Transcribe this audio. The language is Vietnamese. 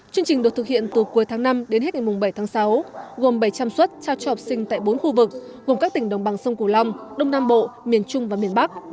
chương trình được thực hiện từ cuối tháng năm đến hết ngày bảy tháng sáu gồm bảy trăm linh xuất trao cho học sinh tại bốn khu vực gồm các tỉnh đồng bằng sông cửu long đông nam bộ miền trung và miền bắc